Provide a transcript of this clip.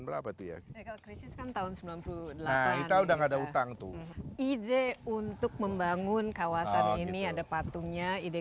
berapa itu ya kita udah nggak ada utang tuh ide untuk membangun kawasan ini ada patungnya ide